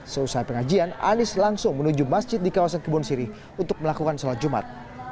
seusah pengajian anies langsung menuju masjid di kawasan kibun siri untuk melakukan sholat jumat